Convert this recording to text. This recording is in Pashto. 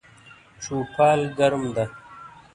چوپال ګرم ده